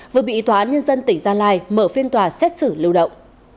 hòa án nhân dân tỉnh gia lai mở phiên tòa xét xử lưu động